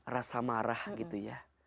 rasa marah gitu ya